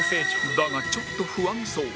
だがちょっと不安そう